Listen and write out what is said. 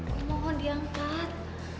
gue mohon diangkat